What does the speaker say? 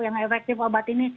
yang efektif obat ini